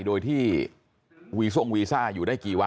โดยที่วีซ่องวีซ่าอยู่ได้กี่วัน